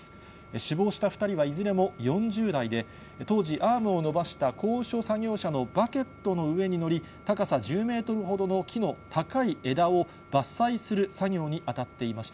死亡した２人はいずれも４０台で、当時、アームを伸ばした高所作業車のバケットの上に乗り、高さ１０メートルほどの木の高い枝を伐採する作業に当たっていました。